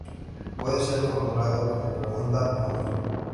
Puede estar formulado como pregunta o no.